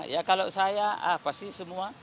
ya kalau saya apa sih semua